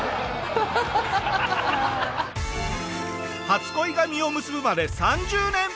初恋が実を結ぶまで３０年！